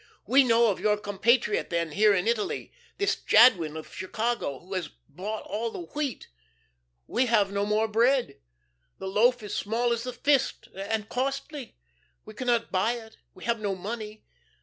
'We know of your compatriot, then, here in Italy this Jadwin of Chicago, who has bought all the wheat. We have no more bread. The loaf is small as the fist, and costly. We cannot buy it, we have no money.